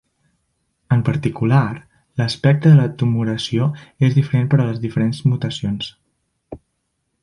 En particular, l'espectre de la tumoració és diferent per a les diferents mutacions.